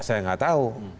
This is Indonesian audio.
saya nggak tahu